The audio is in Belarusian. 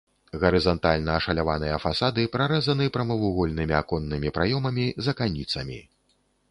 Гарызантальна ашаляваныя фасады прарэзаны прамавугольнымі аконнымі праёмамі з аканіцамі.